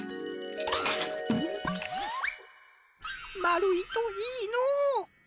まるいといいのう。